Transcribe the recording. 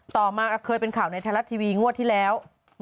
ต่อมาเคยเป็นข่าวในไทยรัฐทีวีงวดที่แล้ว